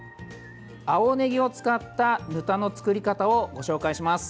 青ねぎを使ったぬたの作り方をご紹介します。